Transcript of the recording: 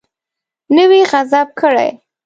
نه وي غصب کړی.